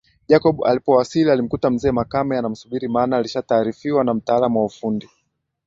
Jacob alipowasili alimkuta mzee Makame anamsubiri maana alishataarifiwa na mtaalam wa ufundi